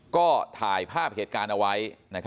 ก็ถ่ายภาพเหตุการณ์เอาไว้